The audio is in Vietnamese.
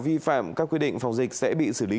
vi phạm các quy định phòng dịch sẽ bị xử lý